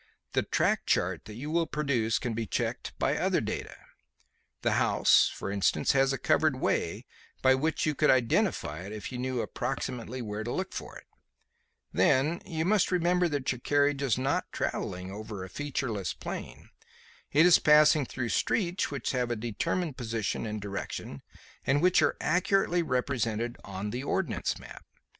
The track chart that you will produce can be checked by other data. The house, for instance, has a covered way by which you could identify it if you knew approximately where to look for it. Then you must remember that your carriage is not travelling over a featureless plain. It is passing through streets which have a determined position and direction and which are accurately represented on the ordnance map.